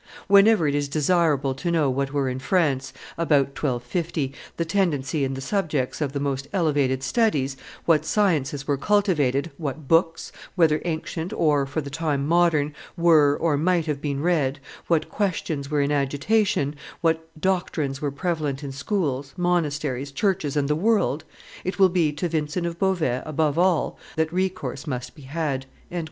... Whenever it is desirable to know what were in France, about 1250, the tendency and the subjects of the most elevated studies, what sciences were cultivated, what books, whether ancient, or, for the time, modern, were or might have been read, what questions were in agitation, what doctrines were prevalent in schools, monasteries, churches, and the world, it will be to Vincent of Beauvais, above all, that recourse must be had."